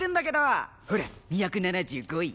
ほら２７５位。